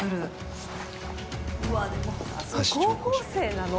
うわでも高校生なの？